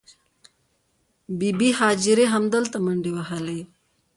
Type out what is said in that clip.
بې بي هاجرې همدلته منډې وهلې.